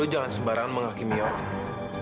jangan sembarangan menghakimi orang